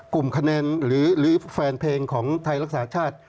กลุ่มคะแนนหรือแฟนเพลงของไทยรักษาชาติ